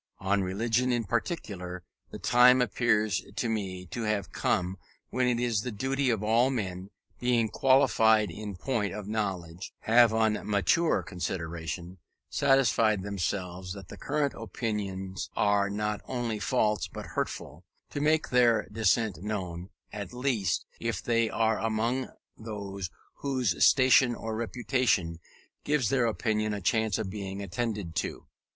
On religion in particular the time appears to me to have come when it is the duty of all who, being qualified in point of knowledge, have on mature consideration satisfied themselves that the current opinions are not only false but hurtful, to make their dissent known; at least, if they are among those whose station or reputation gives their opinion a chance of being attended to.